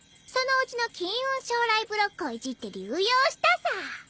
そのうちの金運招来ブロックをいじって流用したさ。